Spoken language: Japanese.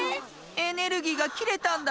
エネルギーがきれたんだ！